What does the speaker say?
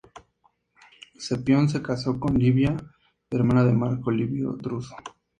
Cepión se casó con Livia, hermana de Marco Livio Druso.